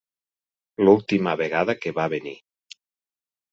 L'última vegada que va venir.